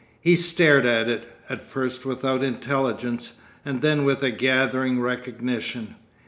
He stared at it, at first without intelligence, and then with a gathering recognition.